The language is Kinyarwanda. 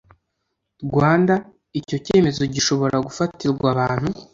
Rwanda Icyo cyemezo gishobora gufatirwa abantu